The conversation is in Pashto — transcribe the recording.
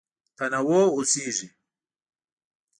تنوع اوسېږي.